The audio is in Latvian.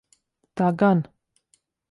Tā gan.